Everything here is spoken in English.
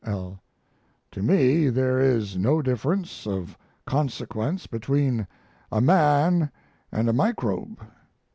L. To me there is no difference of consequence between a man & a microbe.